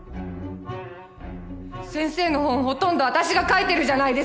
先生の本ほとんど私が書いてるじゃないですか。